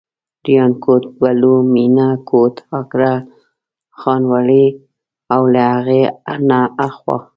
ریانکوټ، بلو، مېنه، کوټ، اګره، خانوړی او له هغې نه اخوا.